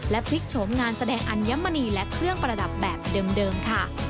พลิกโฉมงานแสดงอัญมณีและเครื่องประดับแบบเดิมค่ะ